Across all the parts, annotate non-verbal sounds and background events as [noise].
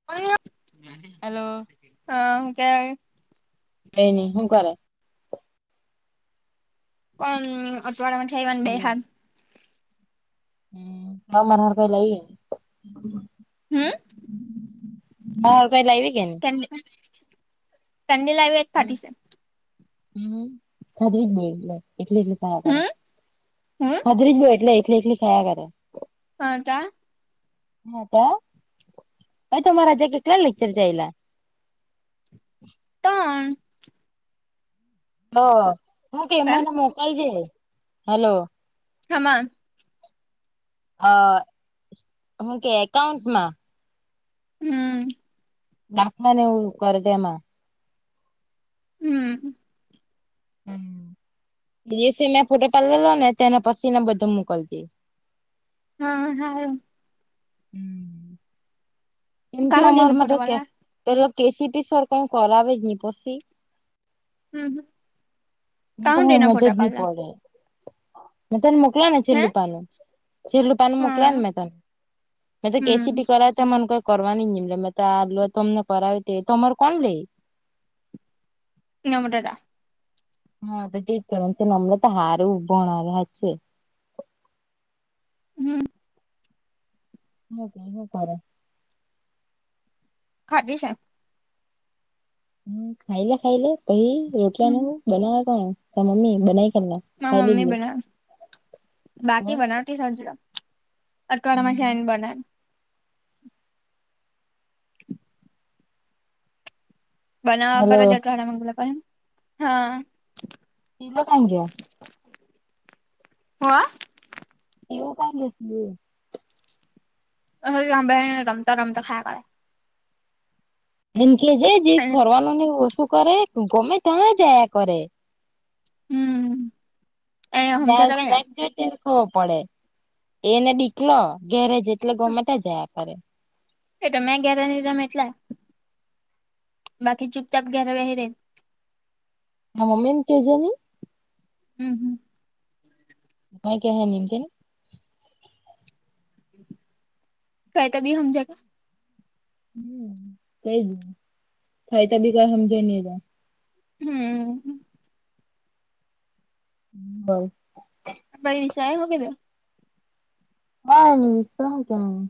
[unintelligible] Hello! હા હું કેય કઈ ની હું કરે [unintelligible] હમ્મ [unintelligible] હારુ કઈ લઈ હમ મારા હારું કઈ લાઈવી કે ની [unintelligible] હમ્મ હમ્મ. [unintelligible] એકલી એકલી ખાયા કરે હમ હમ ખાદરી બો એટલે એકલી એકલી ખાયા કરે. હતા. હાતા. [unintelligible] તમારા આજે કેટલા લેક્ચર ચાયલા? ત્રણ. તો હું કેય એમ મને મોકલજે હલો હામા અ હું કેય એકાઉન્ટમાં. હમ્મ [unintelligible] એવું કર તેમાં. હમ્મ હમ્મ બી ઈ સી ને ફોટો પાડેલો ને તેને પછી એને બધો મોકલ જે? હ હારું. હમ્મ એમ તો કાહુંડી અમાર નો ફોટો માટે કે પાડલા પેલો કેસીપી સર કઈ કરાવેજ નહી પછી આ હમ્મ મન તો હમજ જ ની પડે મન તને મોકલ યોને હે છેલ્લું પાનું છેલ્લું પાનુ મોકલા ને હા મેં તને મ તો હમ કેસીપી કરાવ તો મને ક કરવાની જ ની મલે મેતો તો આલુ તમને કરાવી તે તો તમાર કોણ લે નર્મદા હા તો ઠીકર આમ તો નર્મદા હારું ભણાવે હાચે હમ્મ હ હું કરે ખાઘી છે હમ્મ ખાઈ લે ખાઈ લે પછ હમ રોટલા નુ બનાવે કોણ ત મમ્મી બનાવી કોને મમ્મી બનાવ બાકી બનાવતી સાજે અઠવાડમાં જાયને બનાય હલો બનાવવાગર જ અઠવાડામાંગલા પણ હા તિલો કાં ગયો [unintelligible] એવું કઈ [unintelligible] ઓ હાભે રમતા રમતા ખા યા કરે એમ કેજે જે કરે ફરવાનું ને ઓછું કરે ગમે ત્યાં જાયા કરે હમ એ જો સમજાતા કઈ [unintelligible] પડે એને બીકલો ઘેરેજ એટલે ગમે તાં જાઆ કરે. એ તો મેં ઘેરે ની રેમ એટલે. બાકી ચુપચાપ ઘેરે બેહી રેય. મા મમ્મી ને કેજે ની. હમ્મ હમ્મ. કઈ કેહે ની એમ કે ની. કહે તો બી ની હમજે. હમ્મ તેજ ને થાય તો બી કઈ હમજે ની એતો. હમ્મ. બ. પહી વિશા એ હું કીધું. કઈ નહિ તે હું કહેવાની.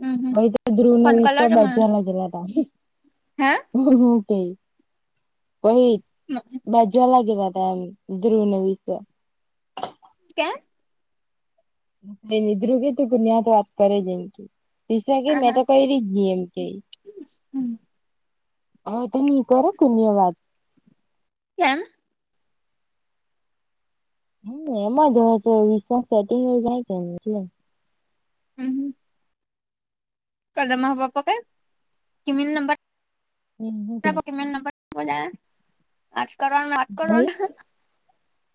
હમ હમ હવે તો ધ્રુવ ને ફોન વિશ્વા બાજવા લાગેલા હતા. હાં? હું હું કહે પહી. હમ્મ. બાજવા લાગેલા હતા એમ ધ્રુવને વિશ્વા. કેમ? તેજ ને ધ્રુવ કે તું કોની હાથે વાત કરે જ એમ કે. વિશ્વા કે મેં આહા તો કઈરી જ ની એમ કે. હ તેની કરે કોઈની હાથે વાત. કેમ? હમ્મ એમ જ હવે તો વિશ્વાસ સેટિંગ એવુ જાય કે ની એટલે. હમ્મ હમ્મ. કાલ તો મારા પપ્પા કે કી મને નંબર હમ હું કેય આપો કે મેં એનો. [unintelligible] બધા વાત કરોને વાત કરોને.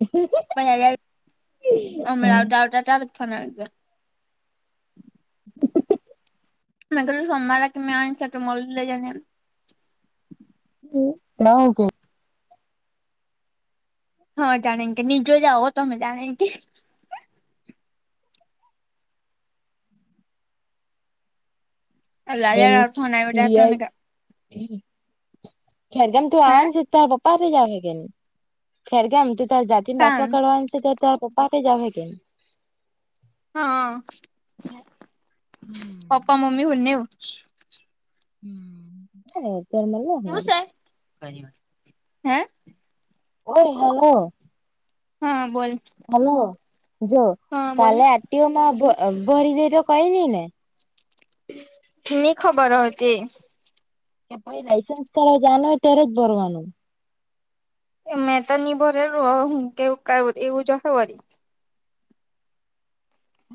હ. [unintelligible] હમણાં આવતા આવતા તારો જ ફોન આવી ગીયો. હ. મેં કીધું સોમવારે તો મેં આવવાની જ છે તું મળી લેજે ને. હમ્મ મેં હું કહુ. હા જાણે કે નીચે જ આવો તમે જાણે એમ કે. લિયા [unintelligible] ખેરગામ તુ હે આવાની છે. તાર પપ્પા હાથે જ આવે કે ની ખેરગામ તુ તારો જાતી નો કામ દાખલો કાઢવાની તે તો તારા પપ્પા હાથે જ આવે કે ની. હા પપ્પા મમ્મી બનેવું. હમ્મ અને ત્યારે મન લેવું ને વળી. તારી વારી હે. ઓય હલો. હા બોલ. હલો જો હા બોલ કાલે આટ એઓમાં ભ ભરી દે તો કઈ ની ને. ની ખબર હવે તે. કે ભાઈ લાઇસન્સ કઢાવા જાવાના હોય ત્યારે જ ભરવાનું. એ મે તો ની ભરેલું હવે હું કેવું કાય એવુજ હોય વરી.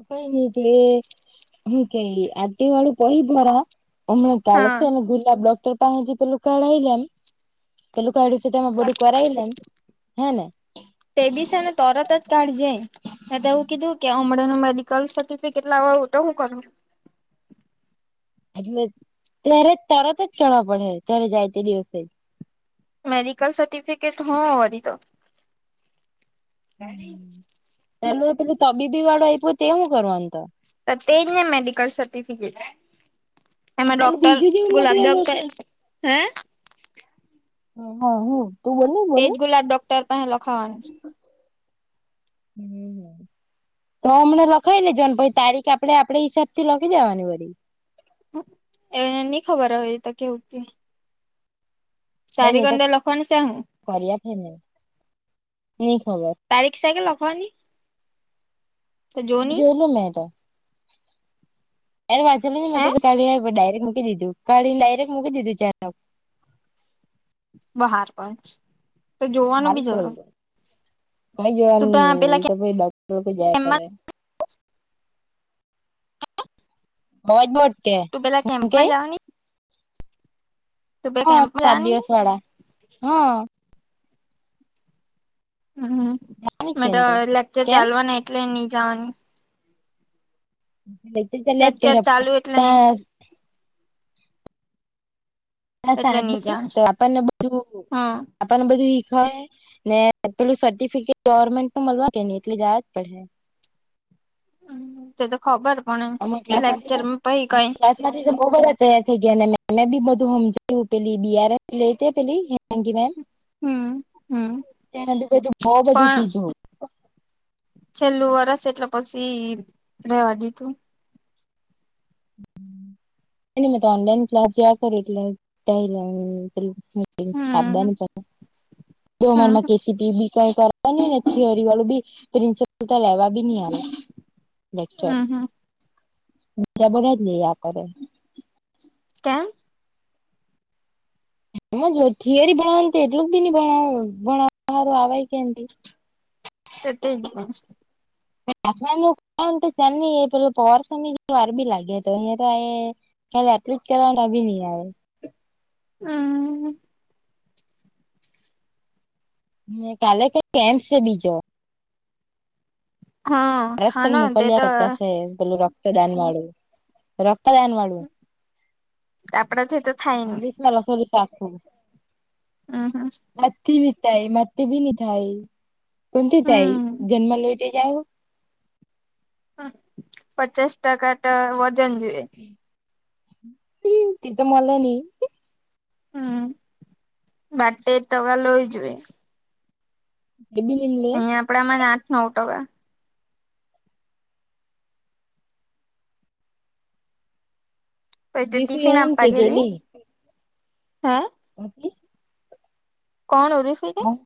કહી નિકળે હું કે આદિવાળું પહી દરા હમણાં હા ચાલશે ને ગુલાબ ડોક્ટર પાહે થી પેલું કઢાઈ લેમ પેલું કાઢી તે તેમાં બધું કરાવી લેમ હેને. તેબી છે ને તરત જ કાઢજે. મેં તો એવું કીધું કે હમણાં નું મેડિકલ સર્ટિફિકેટ લાવવાનું તો હું કરવાનુ. એટલે ત્યારે તરત જ કહેવા પડહે ત્યારે જાય ત્યારે તે દિવસે. મેડિકલ સર્ટિફિકેટ હો વરી તો [unintelligible] પહેલુ પેલું તબીબી વાળું આયપુ તે હું કરવાનું તો અ તેજ ને મેડિકલ સર્ટિફિકેટ. એમાં પેલું ડોક્ટર બીજું જેવું મોકલેલું છે [unintelligible] હા હું તું બોલ એજ ગુલાબ ડોક્ટર પાહે લખાવાનુ. હમ. હમ્મ તો હમણાં લખાવી લેજો ને પછી તારીખ આપડે આપડે હિસાબ થી લખી જવાની વરી. એ ની ખબર હવે એ તો કેવું તે. કઈ નઈ કારીગર તો ને લખવાનું શે હું. કર્યા છે ને નઈ ખબર તારીખ શે કે લખવાની. તો જોની જોયલું મેં તો એનુ વાંચેલુ નનેં હે તો કી ડાયરેક્ટ મૂકી દીધું કાીને ડાયરેક્ટ મૂકી દીધું ચ. બહાર પણ તો જોવાનું સારું બી જર કર્યું કઈ જોવાનુ ની પેલા એ તો પછી ડોક્ટર કે જાયા કેમ્પમાં કરે. [unintelligible] તું પેલા હું કે કેમ્પમાં જાવની. પેલા હાં કેમ્પમાં સાત જવાની કે દિવસ વાળા હાં. હમ્મ મે નથી તો અંદર લેક્ચર કેમ ચાલવાના એટલે ની જાવાની. લેક્ચર ચાલ્યા જ લેક્ચર કરે ચાલુ આપણા એટલે નહી તા હ એટલે સાત નહી જવાની [unintelligible] આપણને બધું હમ આપણને બધું હીખવાડે. ને પેલું સર્ટિફિકેટ ગવર્મેન્ટ નુ મળલા કે ની એટલે જાવા જ પડહે. હમ્મ તે તો ખબર પણ લેક્ચરમાં પહી કઈ તેનાથી તો બો બધા તૈયાર થઈ ગયા ને મે મેબી બધુ હમજાયું પેલી ડી આર એફ લે તે પેલી હી હેંકી બેન હમ હમ તેનાથી બધુ બો બધું પણ કીધુ. છેલ્લું વરસ એટલે પછી રહેેવા દીધું. કંઈ નહિ મેં તો ઓનલાઇન ક્લાસ જાયા કરું એટલે કંઈ નહીં પેલું. [unintelligible] આપદા હમ ની પડે જો હમ અમારામાં કેસીપીબી કઈ કરવા નને થિયરી વાળું બી પ્રિન્સિપલ તો લેવા બી નહી આવે. લેચર હમ હમ બીજા બધ જ લઈયા કરે. કેમ. હમાં જો થિયરી ભણાવવા એટલું જ બી નણ ભણાવર આવે કે. [inaudible] તો તે જ ને. [inaudible] તો ચ ન એ પે પોરસની વાર બી લાગે તો એ તો એ ખા એટલી ખલા નહી આવે. હમ. હ કાલે કઈ કેમ છે બીજો. હા [inaudible] હા ન તે તો રક્ત દાન વાળું રક્ત દાન વાળુ આપડાથી તો થાય નઈ [inaudible] [inaudible] હમ [unintelligible] પચાસ ટકા તો વજન જોઈએ. [inaudible] ઈ તો મલે નઈ હમ્મ બાર તેર ટકા લોઈ જોવે. [unintelligible] કપડા માં આઠ નવ ટકા પહી એ તો બીજું ટીફિન એમ કે આપવા ગેલી હે [unintelligible] કોણ [unintelligible] કે હા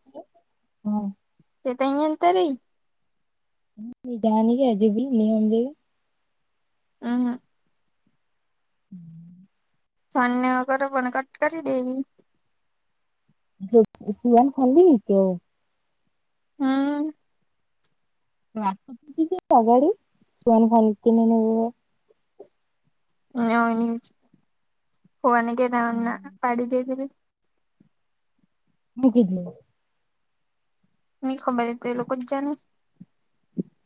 [unintelligible] તે તો [unintelligible] [inaudible] હ હ [inaudible] [inaudible] [unintelligible] હા [inaudible] [inaudible] મુકી દીધી [unintelligible] લોકો જ જાને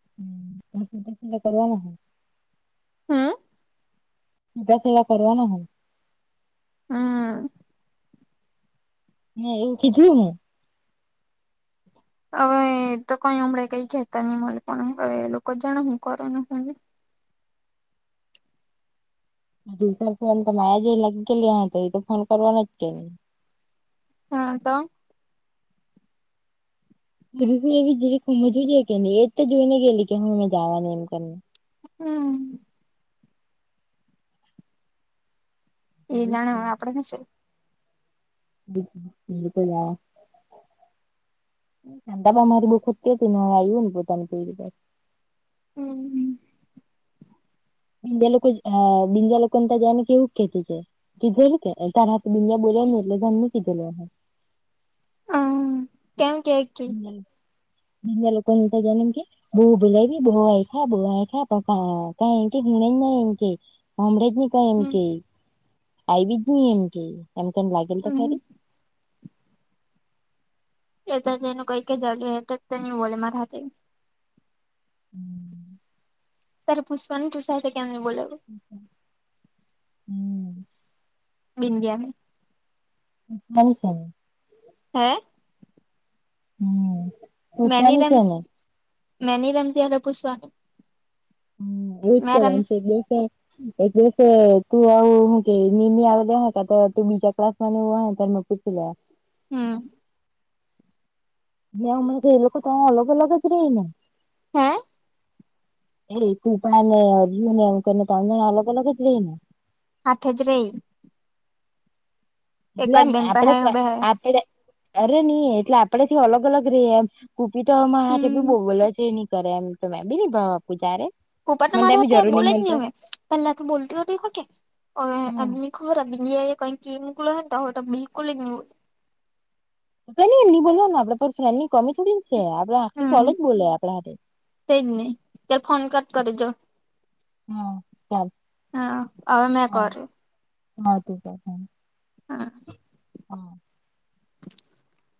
[inaudible] હા પૂજા સેવા કરવાના હો હા હા એવું કીધું હું હવે તો કઈ હમળે કઈ કેતા નહી મને પણ હવે એ લોકો જાણ હું કર [unintelligible] [unintelligible] તો ફોન કરવાનો જ [unintelligible] હા તો [unintelligible] જવાની એમ કરી હા એ નાણા આપડે ને છે [inaudible] [inaudible] [inaudible] [inaudible] એવું કેતું છે કીધેલું કે [unintelligible] હમ્મ કેમ કે [inaudible] [inaudible] અમરેજ ની કઈ એમ હમ કે, આઈજની એમ કે, એમ કેમ લાગેલ તો હમ ખરી. એ તો જેનું કઈક જડ્યું હ, તો તેની વલમાં ખાતે. હમ. ત્યારે પુષ્વાની તુષા કેમ બોવ. અચ્છા. બિન્ડિયા. સ છે [unintelligible] હે? હમ. મેની રમ, મેની રમથી ભૂસવાનું. હમ, એ કર દિવસ. એટલે કે તું આવું, હું કે નિમ આવે હો, તું બીજા ક્લાસ ને હો, ત પૂછી લે. હમ. નેમ એ લોકો તો અલગ-અલગ જ રહી ને હા. એ કુપાને, અજુ ને, અંકને, તણ-જણ, અલગ-અલગ જ લ ને. આઠ હજાર. એટલે જ બેન પર હાયરો બેહે આપડે-આપડે. અરે નહીં, એટલે આપડેથી અલગ-અલગ ર એમ કુપી તોમા હાથે હમ બોલ છે ને. કરે, એમ તોમે બી ભાવ પૂજારે. ઉપ પણર તમા મારા હ, બોલે જ નહી, હવે પહેલા તો બોલતી હો, હોકે હવે. હમ ખરાબ બી કઈ કે, એમકલો તો બિલકુલ નથી. એની બોલ ને, આપડે પર ફ્રેન્ડ ની કમી થોડી છે, આપડે આખી કોલેજ બોલે આપણા હ. તે જ નહી, ત્યારે ફોન કટ કરે જો. હમ, ચાલ, હા હવે મેં હા, કર્યું. મળતું. હા. [unintelligible]